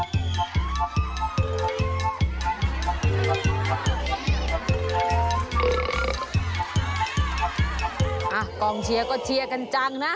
กองเชียร์ก็เชียร์กันจังนะ